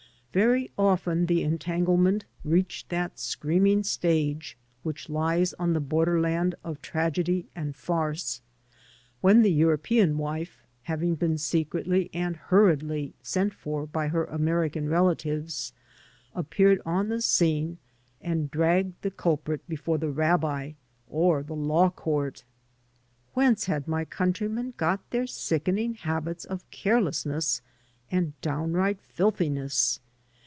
Very often the entanglement reached that screaming stage which lies on the borderland of tragedy and farce, when the European wife, having been secretly and hurriedly sent for by her American relatives, appeared on the scene and dragged the culprit before the rabbi or the law court. Whence had my coimtrymen got their sickening habits of carelessness and downright filthiness?